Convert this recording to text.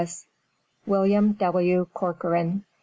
WILLIAM W. CORCORAN.